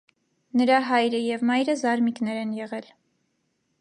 Նրա հայրը և մայրը զարմիկներ են եղել։